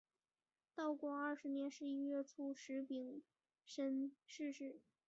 道光二十年十一月初十丙寅逝世。